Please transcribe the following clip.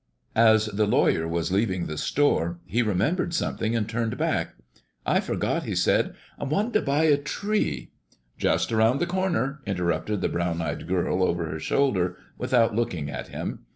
_" As the lawyer was leaving the store, he remembered something, and turned back. "I forgot," he said, "I wanted to buy a tree" "Just round the corner," interrupted the brown eyed girl over her shoulder, without looking at him.